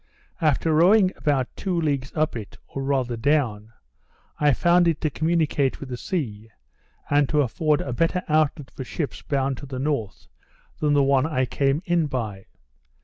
After rowing about two leagues up it, or rather down, I found it to communicate with the sea, and to afford a better outlet for ships bound to the north than the one I came in by.